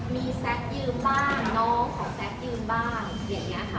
มีแซคยืมบ้างน้องของแซคยืมบ้างอย่างนี้ค่ะ